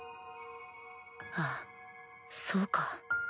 あぁそうか。